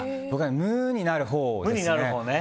無になるほうですね。